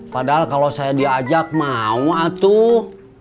padahal kalau saya diajak mau atuh